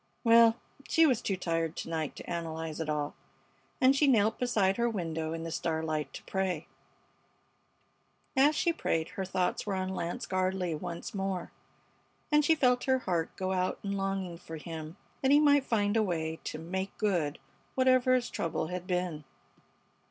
Well, she was too tired to night to analyze it all, and she knelt beside her window in the starlight to pray. As she prayed her thoughts were on Lance Gardley once more, and she felt her heart go out in longing for him, that he might find a way to "make good," whatever his trouble had been.